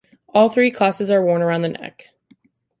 All three classes are worn around the neck.